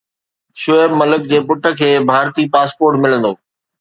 شعيب ملڪ جي پٽ کي ڀارتي پاسپورٽ ملندو